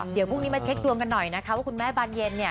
เดี๋ยวพรุ่งนี้มาเช็คดวงกันหน่อยนะคะว่าคุณแม่บานเย็นเนี่ย